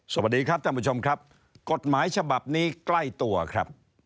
สวัสดีครับท่านผู้ชมครับกฎหมายฉบับนี้ใกล้ตัวครับ